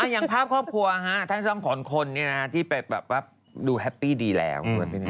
อย่างภาพครอบครัวทั้งสองคนที่ไปแบบว่าดูแฮปปี้ดีแล้ว